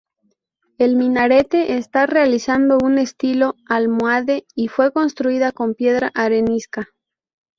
El minarete está realizado en estilo almohade y fue construida con piedra arenisca.